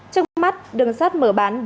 trước mắt đường sắt mở bán